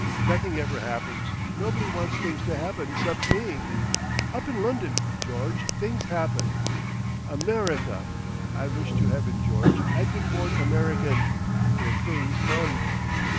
Nothing ever happens, nobody wants things to happen 'scept me! Up in London, George, things happen. America! I wish to Heaven, George, I'd been born American—where things hum.